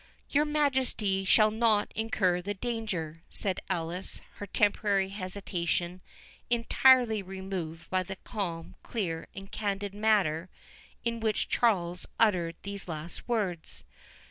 "Your Majesty shall not incur the danger," said Alice, her temporary hesitation entirely removed by the calm, clear, and candid manner in which Charles uttered these last words.